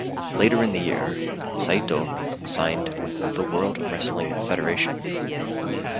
Later in the year, Saito signed with the World Wrestling Federation.